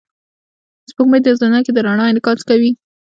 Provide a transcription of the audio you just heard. سپوږمۍ د ځمکې د رڼا انعکاس کوي